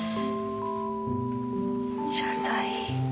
謝罪。